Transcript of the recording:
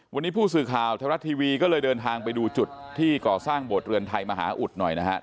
วันนี้ผู้สื่อข่าวไทยรัฐทีวีก็เลยเดินทางไปดูจุดที่ก่อสร้างโบสถเรือนไทยมหาอุดหน่อยนะครับ